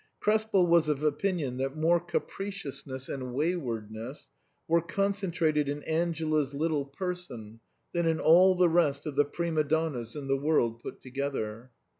Krespel was of opinion that more capriciousness and wa3rwardness were concentrated in Angela's little person than in all the rest of the prima donnas in the world put together.